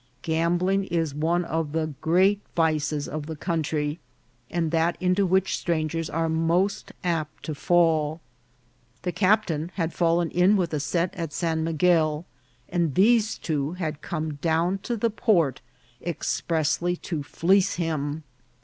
Gambling is one of the great vices of the country, and that into which strangers are most apt to fall. The captain had fallen in with a set at San Miguel, and these two had come down to the port ex pressly to fleece him.